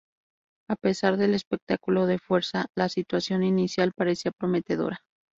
A pesar del espectáculo de fuerza, la situación inicial parecía prometedora.